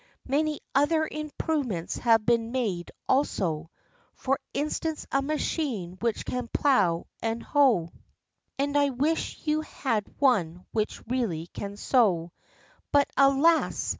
Many other improvements have been made also; For instance, a machine which can plough and hoe; And I wish you had one which really can sew. But, alas!